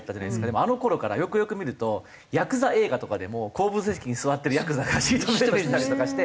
でもあの頃からよくよく見るとヤクザ映画とかでも後部座席に座ってるヤクザがシートベルトしてたりとかして。